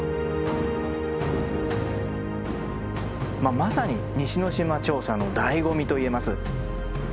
まさに西之島調査の醍醐味と言えます。